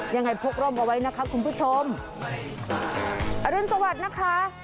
ยังไงพกร่มเอาไว้นะคะคุณผู้ชมอรุณสวัสดิ์นะคะ